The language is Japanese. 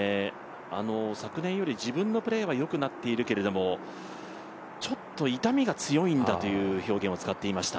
昨年より自分のプレーはよくなっているけれども、ちょっと痛みが強いんだという表現を使っていました。